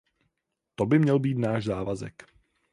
To by měl být náš závazek.